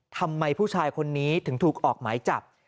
ทำไมผู้ชายคนนี้ถึงถูกออกหมายจับ